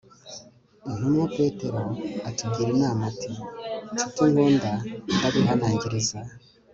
intumwa petero atugira inama ati, ncuti nkunda, ndabihanangiriza